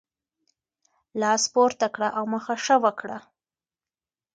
لاس پورته کړه او مخه ښه وکړه.